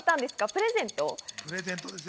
プレゼント？